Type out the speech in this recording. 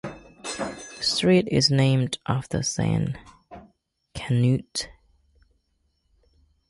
The street is named after Saint Canute.